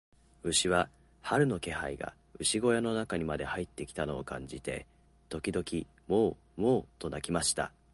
牛は、春の気配が牛小屋の中にまで入ってきたのを感じて、時々モウ、モウと鳴きました。